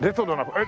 えっ！